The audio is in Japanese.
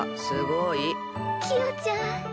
すごい。キヨちゃん。